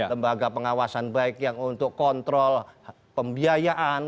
lembaga pengawasan baik yang untuk kontrol pembiayaan